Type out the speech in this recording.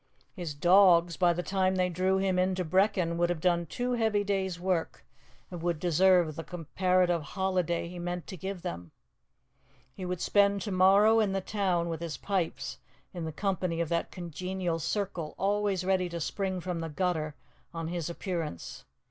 His dogs, by the time they drew him into Brechin, would have done two heavy days' work, and would deserve the comparative holiday he meant to give them. He would spend to morrow in the town with his pipes in the company of that congenial circle always ready to spring from the gutter on his appearance.